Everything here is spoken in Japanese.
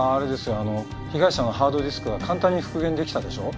あの被害者のハードディスクが簡単に復元できたでしょう？